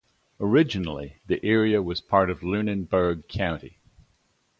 Originally the area was part of Lunenburg County.